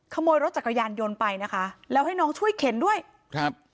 ขโมยรถจักรยานยนต์ไปนะคะแล้วให้น้องช่วยเข็นด้วยครับ